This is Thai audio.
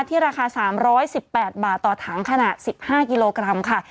ราคา๓๑๘บาทต่อถังขนาด๑๕กิโลกรัมค่ะ